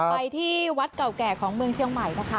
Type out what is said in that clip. ไปที่วัดเก่าแก่ของเมืองเชียงใหม่นะคะ